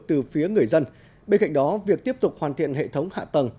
từ phía người dân bên cạnh đó việc tiếp tục hoàn thiện hệ thống hạ tầng